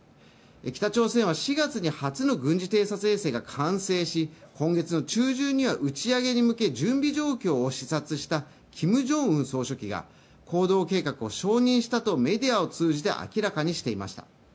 北朝鮮は４月に初の軍事偵察衛星が完成し、今月の中旬には打ち上げに向け準備を発令したキム・ジョンウン総書記が行動計画を承認したとメディアを通じて明らかにしていました。